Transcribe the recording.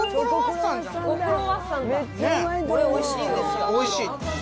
これおいしいですよ。